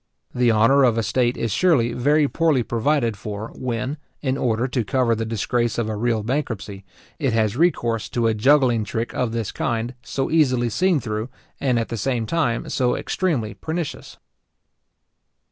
The honour of a state is surely very poorly provided for, when, in order to cover the disgrace of a real bankruptcy, it has recourse to a juggling trick of this kind, so easily seen through, and at the same time so extremely pernicious.